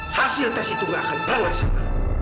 hasil tes itu nggak akan berhasil